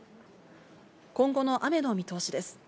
今後の雨の見通しです。